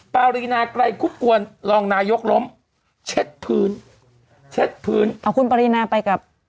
ปารีนาไกรคุบกวนรองนายกล้มเช็ดพื้นเช็ดพื้นอ๋อคุณปรินาไปกับ